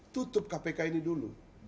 tutup kpk ini dulu